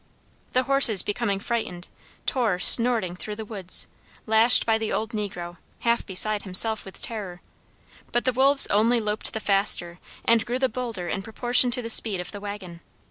The horses becoming frightened, tore, snorting, through the woods, lashed by the old negro, half beside himself with terror: but the wolves only loped the faster and grew the bolder in proportion to the speed of the wagon.